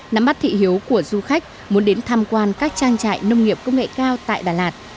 nắm bắt thị hiếu của du khách muốn đến tham quan các trang trại nông nghiệp công nghệ cao tại đà lạt